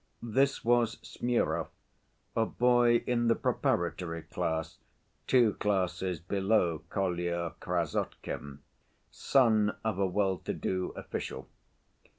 This was Smurov, a boy in the preparatory class (two classes below Kolya Krassotkin), son of a well‐to‐do official.